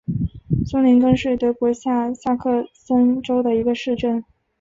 苏林根是德国下萨克森州的一个市镇。